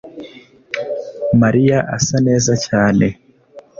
mariya asa neza cyane